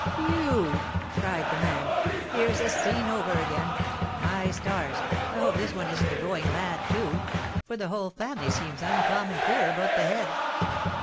"Whew!" cried the man, "here's a scene over again! My stars, I hope this one isn't a going mad, too, for the whole family seems uncommon queer about the head!